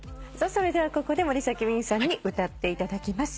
それではここで森崎ウィンさんに歌っていただきます。